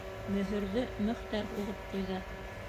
Мөһөрҙө Мөхтәр һуғып ҡуйҙы: